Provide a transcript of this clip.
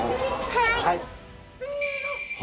はい！